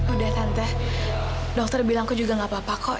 udah santai dokter bilang aku juga gak apa apa kok